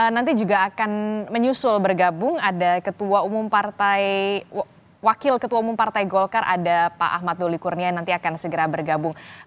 nanti juga akan menyusul bergabung ada ketua umum wakil ketua umum partai golkar ada pak ahmad doli kurnia yang nanti akan segera bergabung